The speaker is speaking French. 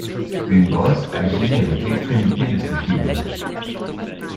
Une brosse agit avec l'extrémité de ses fibres.